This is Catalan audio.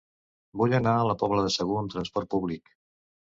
Vull anar a la Pobla de Segur amb trasport públic.